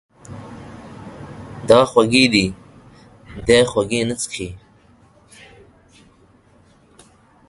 دا خوږې دي، دی خوږې نه څښي.